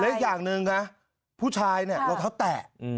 และอีกอย่างหนึ่งนะผู้ชายเนี่ยรองเท้าแตะ